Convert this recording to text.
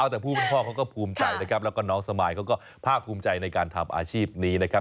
แต่ผู้เป็นพ่อเขาก็ภูมิใจนะครับแล้วก็น้องสมายเขาก็ภาคภูมิใจในการทำอาชีพนี้นะครับ